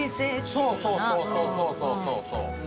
そうそうそうそうそうそうそうそう。